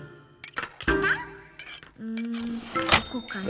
うんどこかな？